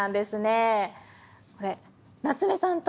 これ夏目さんと。